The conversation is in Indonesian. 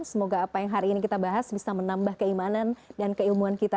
semoga apa yang hari ini kita bahas bisa menambah keimanan dan keilmuan kita